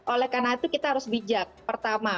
oleh karena itu kita harus bijak pertama